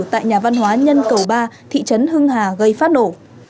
tại nhà văn hóa nhân cầu ba thị trấn hưng hà gây phát nổ